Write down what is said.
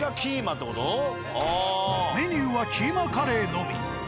メニューはキーマカレーのみ。